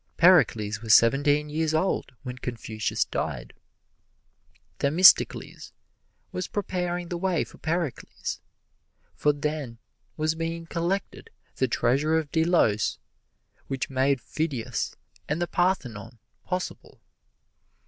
Pericles was seventeen years old when Confucius died. Themistocles was preparing the way for Pericles; for then was being collected the treasure of Delos, which made Phidias and the Parthenon possible.